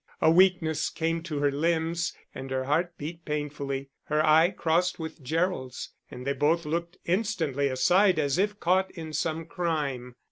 A weakness came to her limbs and her heart beat painfully. Her eye crossed with Gerald's, and they both looked instantly aside, as if caught in some crime.